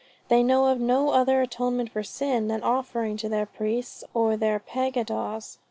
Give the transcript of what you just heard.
"They know of no other atonement for sin, than offerings to their priests or their pagodas."